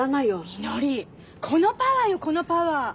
みのりこのパワーよこのパワー！